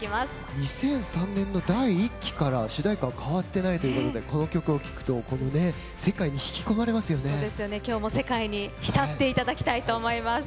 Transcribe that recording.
２００３年の第１期から主題歌変わっていないということでこの曲を聴くと今日も世界に浸っていただきたいと思います。